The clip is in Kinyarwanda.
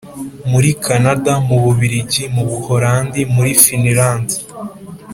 muri Canada, mu Bubirigi, mu Buholandi, muri Finland